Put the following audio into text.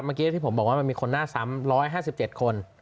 เมื่อกี้ที่ผมบอกว่ามันมีคนหน้าซ้ำ๑๕๗คน